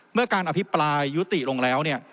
เมื่อการอภิปรายยุติลงแล้วเนี่ย